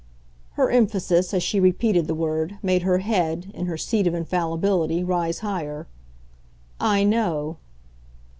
Her emphasis, as she repeated the word, made her head, in her seat of infallibility, rise higher. "I know."